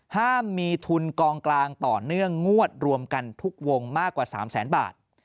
มีทุนกองกลางต่อเนื่องงวดรวมกันทุกวงมากกว่า๓แสนบาท